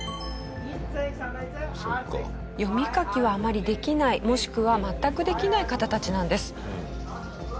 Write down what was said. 読み書きはあまりできないもしくは全くできない方たちなんです。